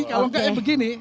kalau enggak ya begini